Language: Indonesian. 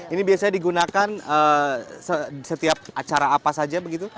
ini biasanya digunakan setiap acara apa saja begitu